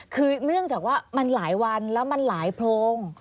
คือเนื่องจากว่ามันหลายวันแล้วมันหลายโพรง